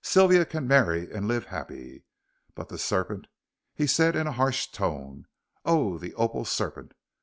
Sylvia can marry and live happy. But the serpent," he said in a harsh tone, "oh, the opal serpent!